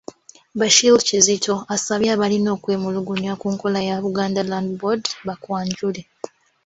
Bashir Kizito asabye abalina okwemulugunya ku nkola ya Buganda Land Board bakwanjule.